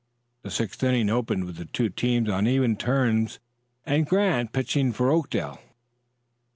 The sixth inning opened with the two teams on even terms and Grant pitching for Oakdale.